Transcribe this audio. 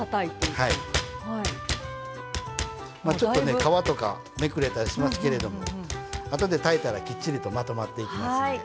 まあちょっとね皮とかめくれたりしますけれどもあとで炊いたらきっちりとまとまっていきますので。